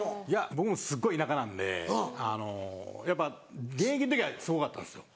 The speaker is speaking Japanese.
僕もすっごい田舎なんでやっぱ現役の時はすごかったんですよ。